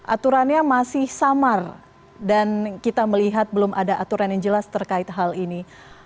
aturannya masih samar dan kita melihat belum ada aturan yang jelas terkait hal ini